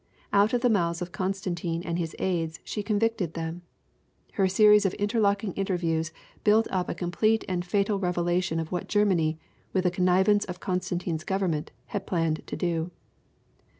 Out of the mouths of Constantine and his aides she convicted them. Her series of in terlocking interviews built up a complete and fatal revelation of what Germany, with the connivance of Constantine's government, had planned to do.